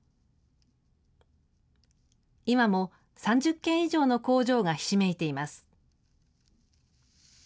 今も３０軒以上の工場がひしめいています。